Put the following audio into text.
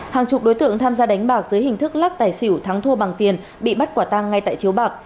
hàng chục đối tượng tham gia đánh bạc dưới hình thức lắc tài xỉu thắng thua bằng tiền bị bắt quả tăng ngay tại chiếu bạc